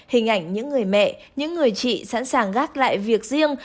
hình ảnh những người mẹ những người chị sẵn sàng gác lại việc riêng